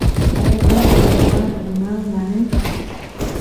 ایا تاسو زما بیمه منئ؟